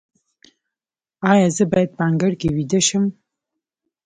ایا زه باید په انګړ کې ویده شم؟